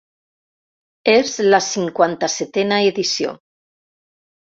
És la cinquanta-setena edició.